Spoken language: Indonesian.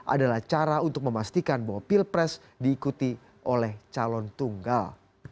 adalah cara untuk memastikan bahwa pilpres diikuti oleh calon tunggal